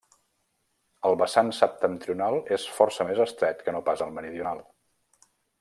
El vessant septentrional és força més estret que no pas el meridional.